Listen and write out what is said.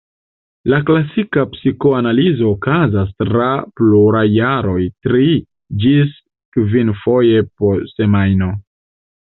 La klasika psikoanalizo okazas tra pluraj jaroj tri- ĝis kvinfoje po semajno.